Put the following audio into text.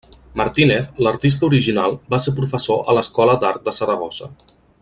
Martínez, l'artista original, va ser professor a l'Escola d'Art de Saragossa.